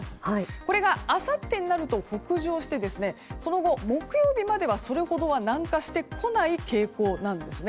これがあさってになると北上してその後、木曜日まではさほど南下してこない傾向です。